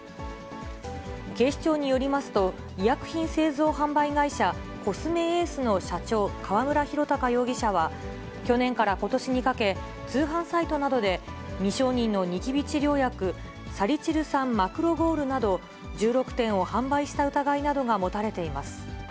警視庁によりますと、医薬品製造販売会社、コスメエースの社長、河邨弘隆容疑者は、去年からことしにかけ、通販サイトなどで、未承認のニキビ治療薬、サリチル酸マクロゴールなど１６点を販売した疑いなどが持たれています。